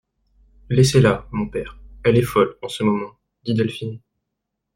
Laissez-la, mon père, elle est folle en ce moment, dit Delphine.